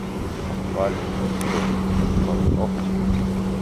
Палец такі вялікі, з пазногцем.